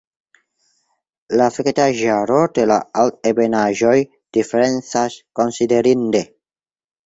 La vegetaĵaro de la altebenaĵoj diferencas konsiderinde.